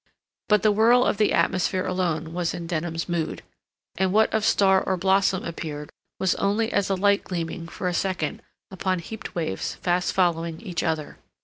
But the whirl of the atmosphere alone was in Denham's mood, and what of star or blossom appeared was only as a light gleaming for a second upon heaped waves fast following each other.